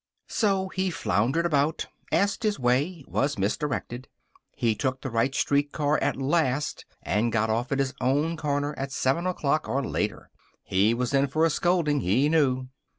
So he floundered about, asked his way, was misdirected. He took the right streetcar at last and got off at his own corner at seven o'clock, or later. He was in for a scolding, he knew.